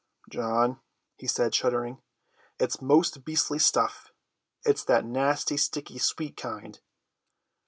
"John," he said, shuddering, "it's most beastly stuff. It's that nasty, sticky, sweet kind."